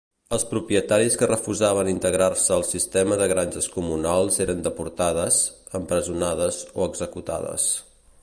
Els propietaris que refusaven integrar-se al sistema de granges comunals eren deportades, empresonades o executades.